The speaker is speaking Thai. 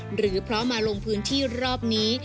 หรือเพราะมาลงพื้นที่รอบนี้